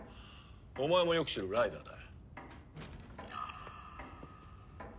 お前もよく知るライダーだ。